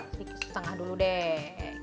sedikit setengah dulu deh